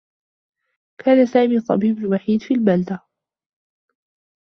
كان سامي الطّبيب الوحيد في البلدة.